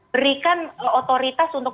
berikan otoritas untuk